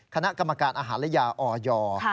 คณะกรรมการอาหารและยาออย